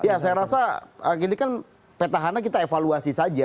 ya saya rasa ini kan petahana kita evaluasi saja